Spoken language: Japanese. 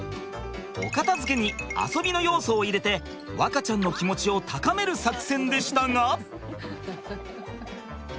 お片づけに遊びの要素を入れて和花ちゃんの気持ちを高める作戦でしたが。